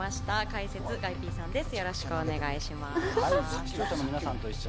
解説、ガイＰさんです。